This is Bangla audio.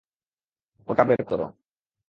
ওটা বের করো।